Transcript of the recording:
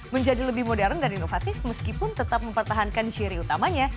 menjadi lebih modern dan inovatif meskipun tetap mempertahankan ciri utamanya